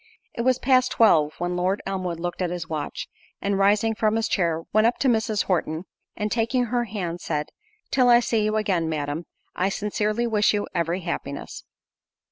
It was past twelve, when Lord Elmwood looked at his watch, and rising from his chair, went up to Mrs. Horton, and taking her hand, said, "Till I see you again, Madam, I sincerely wish you every happiness."